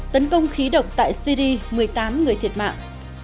tấn công khí độc tại syri một mươi tám người thiệt mạng